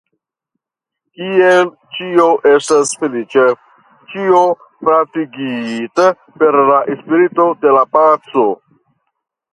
Kiel ĉio estas feliĉa, ĉio fratigita per la spirito de la paco!